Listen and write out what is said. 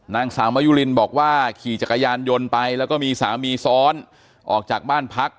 นางสาวมายุลินบอกว่าขี่จักรยานยนต์ไปแล้วก็มีสามีซ้อนออกจากบ้านพัก